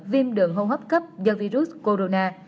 viêm đường hô hấp cấp do virus corona